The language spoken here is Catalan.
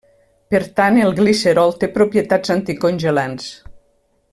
Per tant, el glicerol té propietats anticongelants.